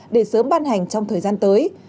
để sớm ban hành trong thời gian tới